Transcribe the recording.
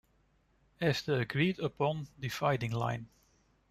As the agreed-upon dividing line.